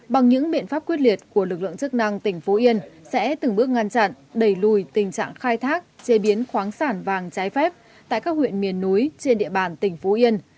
bằng những biện pháp quyết liệt của lực lượng chức năng tỉnh phú yên sẽ từng bước ngăn chặn đẩy lùi tình trạng khai thác chế biến khoáng sản vàng trái phép tại các huyện miền núi trên địa bàn tỉnh phú yên